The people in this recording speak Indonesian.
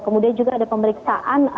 kemudian juga ada pemeriksaan